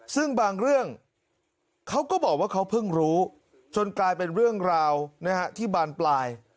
ซึ่งบางเรื่องเขาก็บอกว่าเขาเพิ่งรู้จนกลายเป็นเรื่องราวที่บานปลาย